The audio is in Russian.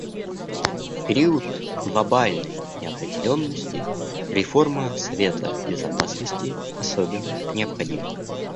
В период глобальной неопределенности реформа Совета Безопасности особенно необходима.